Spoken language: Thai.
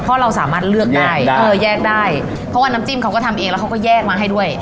เพราะเราสามารถเลือกได้เออแยกได้เพราะว่าน้ำจิ้มเขาก็ทำเองแล้วเขาก็แยกมาให้ด้วย